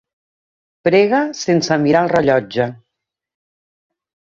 Prega sense mirar el rellotge.